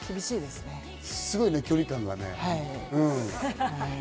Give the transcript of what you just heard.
すごいね、距離感が。